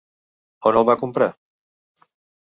On el va comprar?